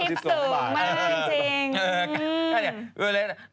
นี่ก็ทิศสูงมากจริง